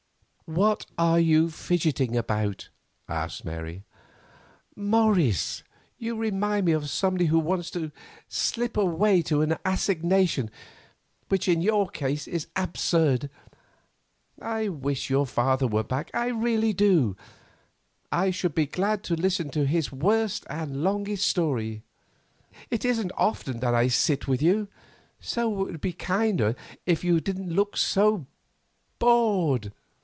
"What are you fidgeting about?" asked Mary. "Morris, you remind me of somebody who wants to slip away to an assignation, which in your case is absurd. I wish your father were back, I really do; I should be glad to listen to his worst and longest story. It isn't often that I sit with you, so it would be kinder if you didn't look so bored.